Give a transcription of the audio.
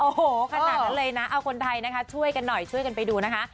โอ้โหขนาดนั้นเลยนะเอาคนไทยนะคะช่วยกันหน่อยช่วยกันไปดูนะคะ